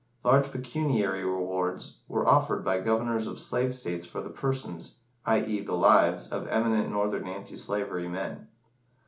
Large pecuniary rewards were offered by Governors of slave states for the persons i.e., the lives of eminent Northern anti slavery men.